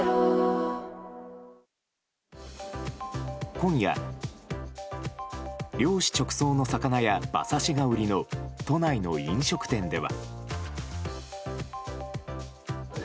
今夜、漁師直送の魚や馬刺しが売りの都内の飲食店では。